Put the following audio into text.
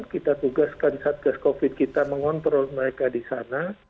kita tugaskan satgas covid kita mengontrol mereka di sana